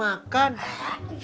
bang mau ke mana sih